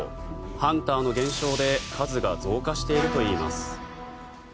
ハンターの減少で数が増加しているといいます。